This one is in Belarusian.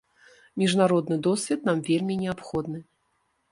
Міжнародны досвед нам вельмі неабходны.